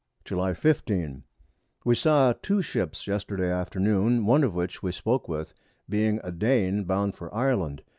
July 15. We saw 2 Ships Yesterday Afternoon, one of which we spoke with, being a Dane bound for Ireland.